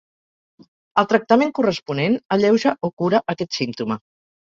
El tractament corresponent alleuja o cura aquest símptoma.